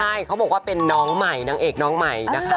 ใช่เขาบอกว่าเป็นน้องใหม่นางเอกน้องใหม่นะคะ